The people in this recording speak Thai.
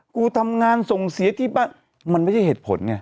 กูทำงานส่งเสียที่บ้านมันไม่ใช่เหตุผลไง